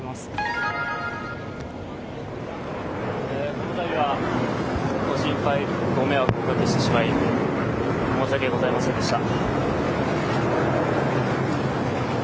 このたびはご心配、ご迷惑をおかけしてしまい、申し訳ございませんでした。